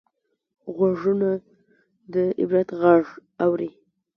غوږونه د عبرت غږ اوري